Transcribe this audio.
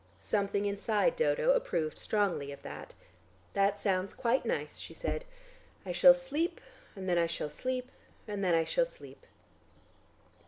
Something inside Dodo approved strongly of that. "That sounds quite nice," she said. "I shall sleep, and then I shall sleep, and then I shall sleep."